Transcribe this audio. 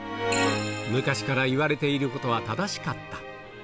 昔からいわれていることは正しかった。